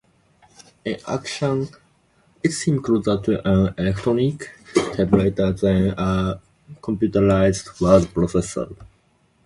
In action, it seems closer to an electronic typewriter than a computerised word processor.